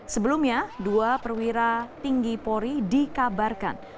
sebelumnya dua perwira tinggi polri dikabarkan